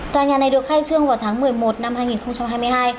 tòa nhà này được khai trương vào tháng một mươi một năm hai nghìn hai mươi hai